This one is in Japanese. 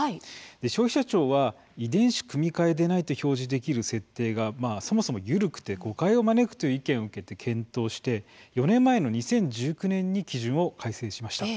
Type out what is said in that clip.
消費者庁は「遺伝子組み換えでない」と表示できる設定がそもそも緩く誤解を招くという意見を受けて検討して４年前の２０１９年に基準を改正しました。